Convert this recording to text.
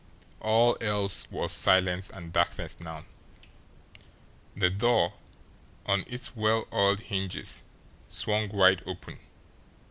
All else was silence and darkness now. The door, on its well oiled hinges, swung wide open.